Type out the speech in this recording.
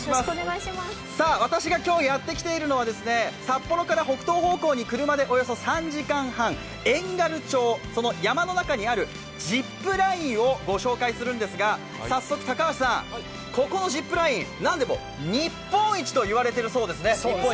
私が今日やってきているのは札幌から北東方向に車でおよそ３時間半、遠軽町、その山の中にあるジップラインをご紹介するんですが、早速、高橋さん、ここのジップライン、何でも日本一と言われているそうですね。